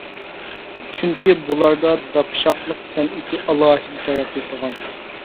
چۈنكى بۇلاردا داپشاقلىق سەنئىتى ئالاھىدە تەرەققىي قىلغان.